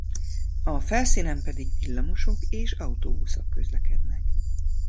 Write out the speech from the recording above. A felszínen pedig villamosok és autóbuszok közlekednek.